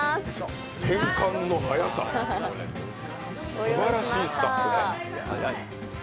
転換の早さ、すばらしいスタッフさん。